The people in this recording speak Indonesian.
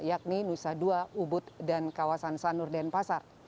yakni nusa dua ubud dan kawasan sanurden pasar